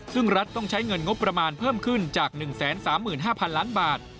ซึ่งรัฐต้องใช้เงินงบประมาณเพิ่มขึ้นจาก๑๓๕๐๐๐ล้านบาท